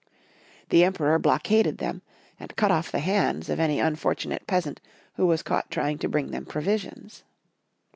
The Emperor blockaded them, and cut off the hands of any un fortunate peasant who was caught trying to bring them provisions.